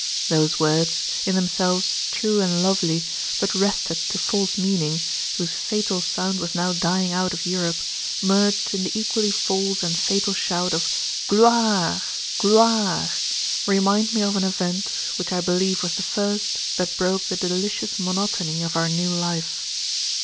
Those words, in themselves true and lovely, but wrested to false meaning, whose fatal sound was now dying out of Europe, merged in the equally false and fatal shout of "Gloire! gloire!" remind me of an event which I believe was the first that broke the delicious monotony of our new life.